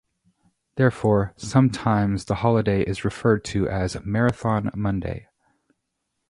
Therefore sometimes the holiday is referred to as "Marathon Monday".